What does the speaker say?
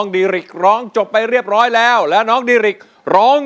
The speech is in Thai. ดีริกซ์ร้อง